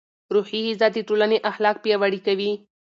روحي غذا د ټولنې اخلاق پیاوړي کوي.